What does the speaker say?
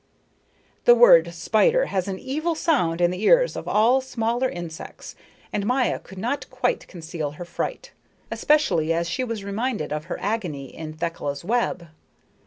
The word spider has an evil sound in the ears of all smaller insects, and Maya could not quite conceal her fright, especially as she was reminded of her agony in Thekla's web.